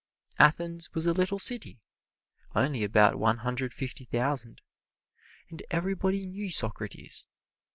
Athens was a little city (only about one hundred fifty thousand), and everybody knew Socrates.